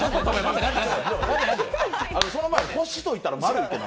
その前に星といえば丸いって何？